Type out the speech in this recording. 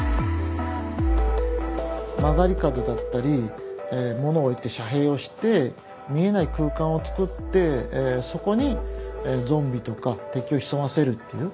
曲がり角だったり物を置いて遮蔽をして見えない空間を作ってそこにゾンビとか敵を潜ませるっていう。